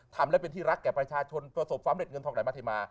ทำและเป็นที่รักแก่ประชาชนประสบความเร็จเงินทองไหลมาเทมา